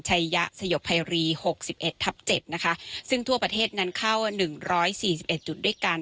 ไชยะสยบไพรีหกสิบเอ็ดทับเจ็ดนะคะซึ่งทั่วประเทศนั้นเข้าหนึ่งร้อยสี่สิบเอ็ดจุดด้วยกัน